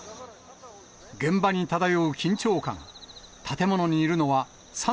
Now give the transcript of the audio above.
現場に漂う緊張感。